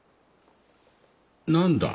何だ？